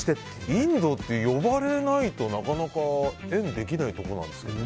インドって呼ばれないとなかなか縁ができないところなんですけど。